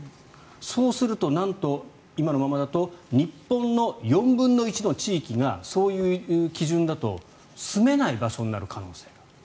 そうすると、なんと今のままだと日本の４分の１の地域がそういう基準だと住めない場所になる可能性があると。